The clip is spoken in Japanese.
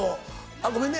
あっごめんね。